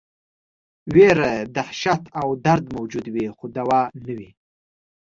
ویره، دهشت او درد موجود وي خو دوا نه وي.